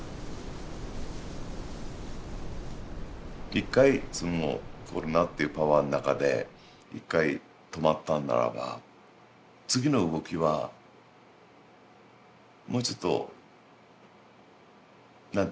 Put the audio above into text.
一回コロナっていうパワーの中で一回止まったんならば次の動きはもうちょっと何つったらいいの？